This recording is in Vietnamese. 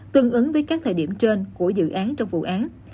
tương ứng với các thời điểm trên của dự án trong vụ án